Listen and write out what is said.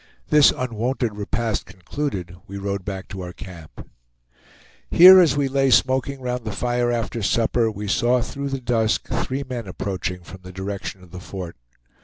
This unwonted repast concluded, we rode back to our camp. Here, as we lay smoking round the fire after supper, we saw through the dusk three men approaching from the direction of the fort.